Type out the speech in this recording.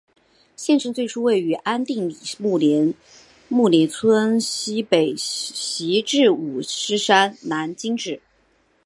县城最初位于安定里木连村溪北徙治五狮山南今址。